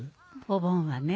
お盆はね